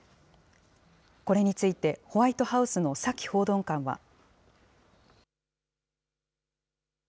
これについて、ホワイトハウスのサキ報道官は。